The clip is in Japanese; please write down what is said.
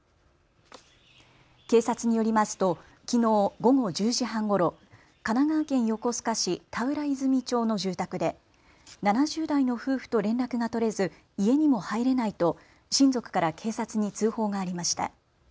警察によりますときのう午後１０時半ごろ、神奈川県横須賀市田浦泉町の住宅で７０代の夫婦と連絡が取れず家にも入れないと親族から警察に通報がありました。